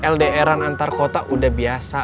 ldr an antar kota udah biasa